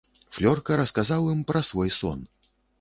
Флёрка расказаў ім пра свой сон.